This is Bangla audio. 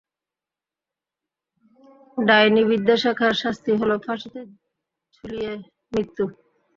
ডাইনিবিদ্যা শেখার শাস্তি হল, ফাঁসিতে ঝুলিয়ে মৃত্যু!